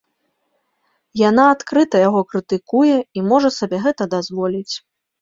Яна адкрыта яго крытыкуе і можа сабе гэта дазволіць.